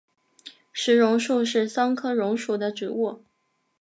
石榕树是桑科榕属的植物。